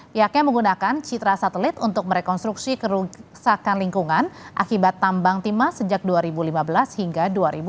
pihaknya menggunakan citra satelit untuk merekonstruksi kerusakan lingkungan akibat tambang timah sejak dua ribu lima belas hingga dua ribu delapan belas